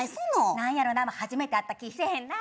何やろな初めて会った気せえへんな。